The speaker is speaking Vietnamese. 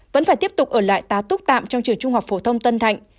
vẫn phải tiếp tục ở lại tá túc tạm trong trường trung học phổ thông tân thạnh